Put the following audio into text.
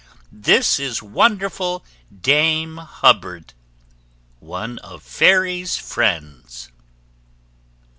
This is wonderful Dame Hubbard ONE OF FAIRY'S FRIENDS.